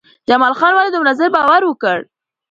جمال خان ولې دومره زر باور وکړ؟